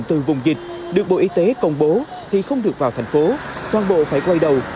từ vùng dịch được bộ y tế công bố thì không được vào thành phố toàn bộ phải quay đầu